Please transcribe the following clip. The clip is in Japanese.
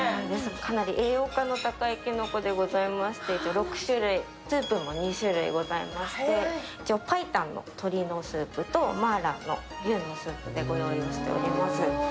かなり栄養価の高いきのこでございまして、５６種類、スープも２種類ございまして白湯の鶏のスープと麻辣の牛のスープでご用意しています。